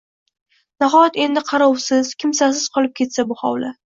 Nahot endi qarovsiz, kimsasiz qolib ketsa bu hovli.